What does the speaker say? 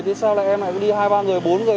thì sao lại em lại đi hai ba người bốn người